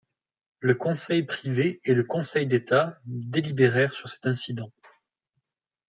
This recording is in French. Le conseil privé et le conseil d’État délibérèrent sur cet incident.